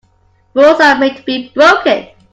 Rules are made to be broken.